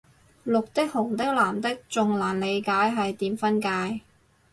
綠的紅的藍的仲難理解係點分界